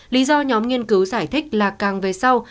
lý do nhóm nghiên cứu giải thích là càng về sau